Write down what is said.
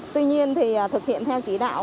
tuy nhiên thì thực hiện theo kỷ đạo